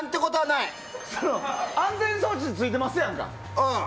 安全装置ついてますやんか。